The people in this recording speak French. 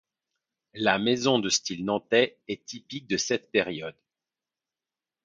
La maison de style nantais est typique de cette période.